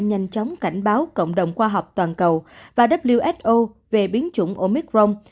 nhanh chóng cảnh báo cộng đồng khoa học toàn cầu và wso về biến chủng omicron